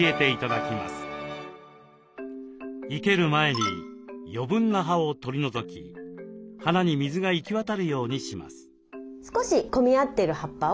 生ける前に余分な葉を取り除き花に水が行き渡るようにします。